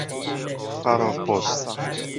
فراخود